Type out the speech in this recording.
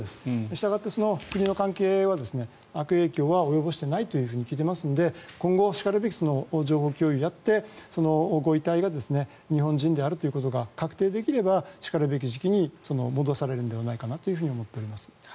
したがってその国の関係は悪影響は及ぼしていないと聞いていますので今後しかるべき情報共有をやってご遺体が日本人であるということが確定できればしかるべき時期に戻されるのではないかなと思います。